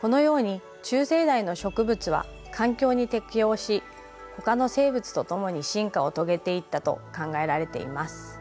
このように中生代の植物は環境に適応し他の生物と共に進化を遂げていったと考えられています。